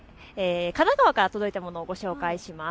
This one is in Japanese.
神奈川から届いたものをご紹介します。